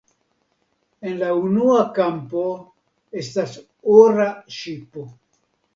En la unua kampo estas ora ŝipo.